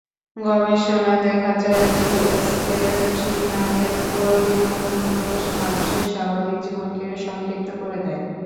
গবেষণায় দেখা যায়, জিএসকে-থ্রি নামের প্রোটিন অণুগুলো মানুষের স্বাভাবিক জীবনকে সংক্ষিপ্ত করে দেয়।